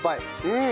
うん！